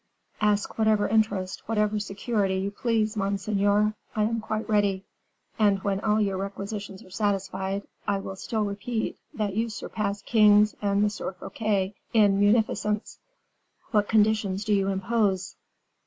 "Ask whatever interest, whatever security you please, monseigneur; I am quite ready. And when all your requisitions are satisfied, I will still repeat, that you surpass kings and M. Fouquet in munificence. What conditions do you impose?"